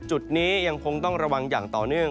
จุดนี้ยังคงต้องระวังอย่างต่อเนื่อง